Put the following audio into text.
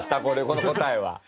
これこの答えは。